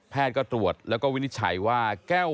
พ่อทำบ่อยไหมครับ